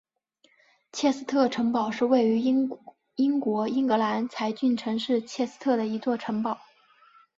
切斯特城堡是位于英国英格兰柴郡城市切斯特的一座城堡。